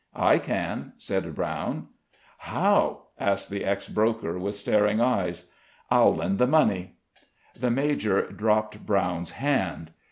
"I can," said Brown. "How?" asked the ex broker, with staring eyes. "I'll lend the money." The major dropped Brown's hand.